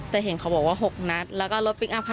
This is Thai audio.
แต่เห็นเขาบอกว่า๖นัตรแล้วก็รถพลังมากขนาดนั้น